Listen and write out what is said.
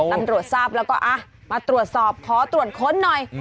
ตำรวจทราบแล้วก็มาตรวจสอบขอตรวจค้นหน่อย